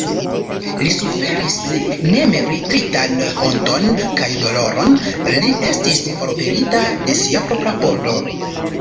Li suferis nemerititan honton kaj doloron, li estis forpelita de sia propra pordo.